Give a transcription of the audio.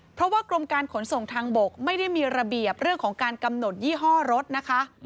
เพราะว่ากรมการขนส่งทางบกไม่ได้มีระเบียบเรื่องของการกำหนดยี่ห้อรถนะคะ